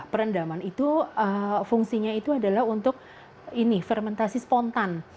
perendaman itu fungsinya itu adalah untuk ini fermentasi spontan